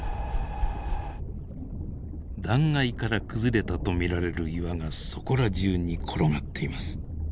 断崖から崩れたと見られる岩がそこら中に転がっています。